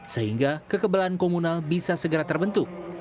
sehingga kekebalan komunal bisa segera terbentuk